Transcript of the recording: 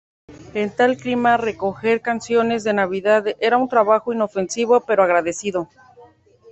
En tal clima recoger canciones de Navidad era un trabajo inofensivo, pero agradecido.